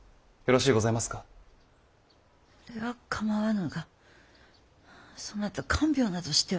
それは構わぬがそなた看病などしては。